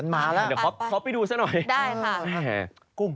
มีโดยกินจะไปดูซักหน่อย